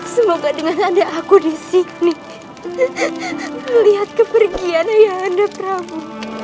semoga dengan anda aku disini melihat kepergian ayah anda prabu